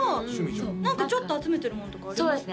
何かちょっと集めてるものとかあります？